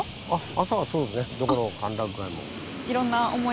朝はそうですねどこの歓楽街も。